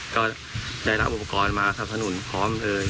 ก็ได้รับอุปกรณ์มาสนับสนุนพร้อมเลย